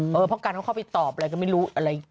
เพราะกันเขาเข้าไปตอบอะไรก็ไม่รู้อะไร